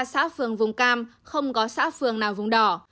một trăm ba mươi ba xã phường vùng cam không có xã phường nào vùng đỏ